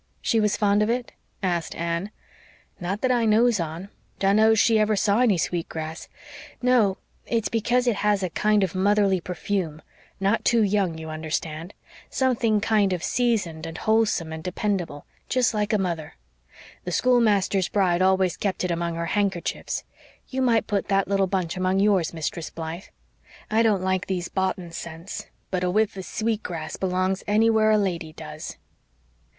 "She was fond of it?" asked Anne. "Not that I knows on. Dunno's she ever saw any sweet grass. No, it's because it has a kind of motherly perfume not too young, you understand something kind of seasoned and wholesome and dependable jest like a mother. The schoolmaster's bride always kept it among her handkerchiefs. You might put that little bunch among yours, Mistress Blythe. I don't like these boughten scents but a whiff of sweet grass belongs anywhere a lady does."